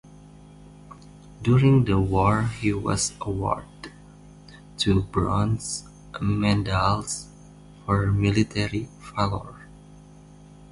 During the war he was awarded two bronze medals for military valor.